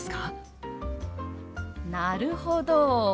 なるほど。